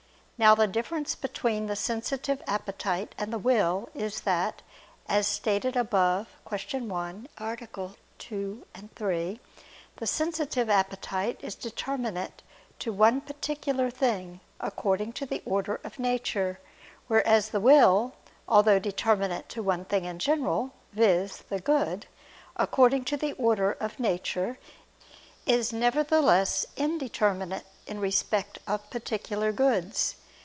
Now the difference between the sensitive appetite and the will is that, as stated above (Q. 1, A. 2, ad 3), the sensitive appetite is determinate to one particular thing, according to the order of nature; whereas the will, although determinate to one thing in general, viz. the good, according to the order of nature, is nevertheless indeterminate in respect of particular goods.